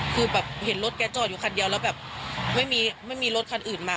คือแบบเห็นรถแกจอดอยู่คันเดียวแล้วแบบไม่มีรถคันอื่นมา